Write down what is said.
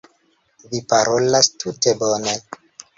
Vi parolas tute bone.